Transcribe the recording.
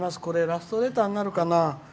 ラストレターになるかな。